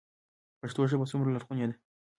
پښتو ژبه څومره لرغونې ده؟